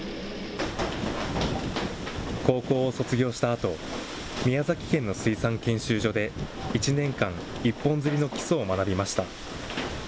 高校を卒業したあと、宮崎県の水産研修所で、１年間、一本釣りの基礎を学びました。